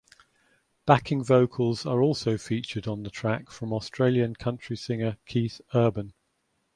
Backing vocals are also featured on the track from Australian country singer Keith Urban.